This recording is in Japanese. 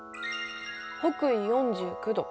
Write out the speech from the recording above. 北緯４９度。